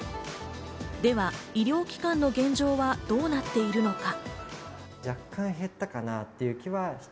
では医療機関の現状はどうなっているのか．